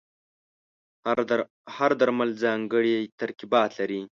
هر درمل ځانګړي ترکیبات لري.